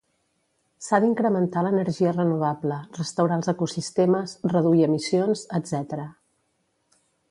S'ha d'incrementar l'energia renovable, restaurar els ecosistemes, reduir emissions, etc.